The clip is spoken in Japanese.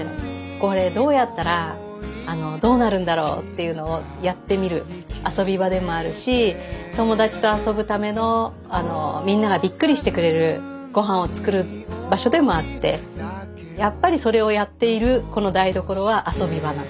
これどうやったらどうなるんだろうっていうのをやってみる遊び場でもあるし友達と遊ぶためのみんながびっくりしてくれるごはんを作る場所でもあってやっぱりそれをやっているこの台所は遊び場なの。